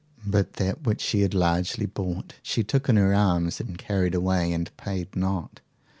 But that which she had largely bought she took in her arms and carried away, and paid not.